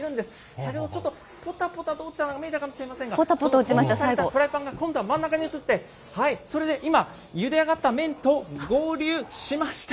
それをちょっとぽたぽた落ちたの見えたかもしれませんが、フライパンが今度は真ん中に移って、それで今、ゆで上がった麺と合流しました。